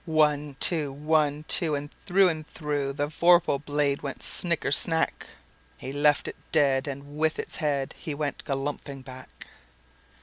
One, two! One, two! And through and throughThe vorpal blade went snicker snack! He left it dead, and with its headHe went galumphing back.